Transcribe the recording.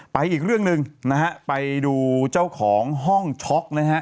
ไปอีกเรื่องนึงไปดูเจ้าของห้องช็อก